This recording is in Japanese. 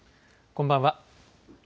こんばんは。